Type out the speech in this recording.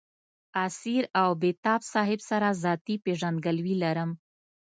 اسیر او بېتاب صاحب سره ذاتي پېژندګلوي لرم.